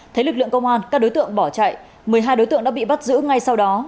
thấy lực lượng công an các đối tượng bỏ chạy một mươi hai đối tượng đã bị bắt giữ ngay sau đó